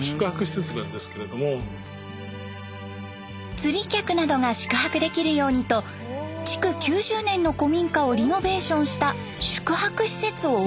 釣り客などが宿泊できるようにと築９０年の古民家をリノベーションした宿泊施設をオープン。